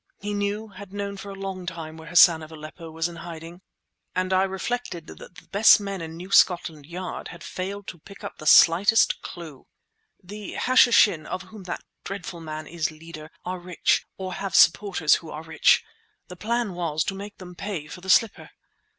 He knew, had known for a long time, where Hassan of Aleppo was in hiding!" And I reflected that the best men at New Scotland Yard had failed to pick up the slightest clue! "The Hashishin, of whom that dreadful man is leader, are rich, or have supporters who are rich. The plan was to make them pay for the slipper."